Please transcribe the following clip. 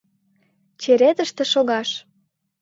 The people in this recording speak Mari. Черетыште шогаш.